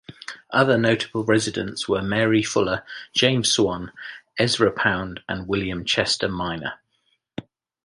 Other notable residents were Mary Fuller, James Swann, Ezra Pound, and William Chester Minor.